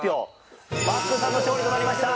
パックンさんの勝利となりました。